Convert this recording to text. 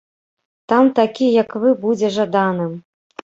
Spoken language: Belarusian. Там такі, як вы, будзе жаданым.